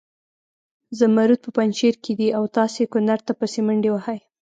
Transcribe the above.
زمرود په پنجشیر کې دي او تاسې کنړ ته پسې منډې وهئ.